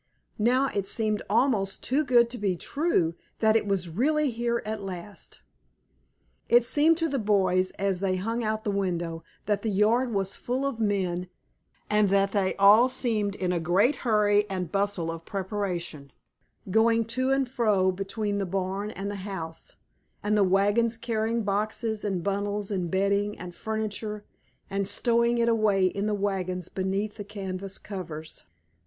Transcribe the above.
Now it seemed almost too good to be true that it was really here at last. It seemed to the boys as they hung out of the window that the yard was full of men, and that they all seemed in a great hurry and bustle of preparation, going to and fro between the barn and the house and the wagons carrying boxes and bundles and bedding and furniture and stowing it away in the wagons beneath the canvas covers.